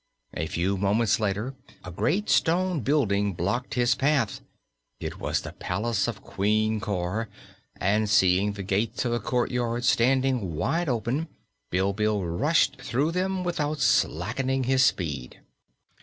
A few moments later a great stone building blocked his path. It was the palace of Queen Cor, and seeing the gates of the courtyard standing wide open, Bilbil rushed through them without slackening his speed.